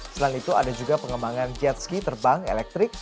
selain itu ada juga pengembangan jet ski terbang elektrik